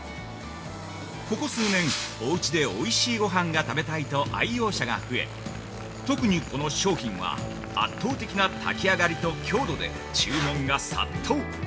ここ数年、おうちでおいしいごはんが食べたいと愛用者が増え特にこの商品は圧倒的な炊き上がりと強度で注文が殺到。